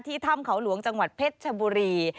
ถ้ำเขาหลวงจังหวัดเพชรชบุรี